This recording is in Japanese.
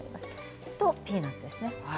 それとピーナツですね。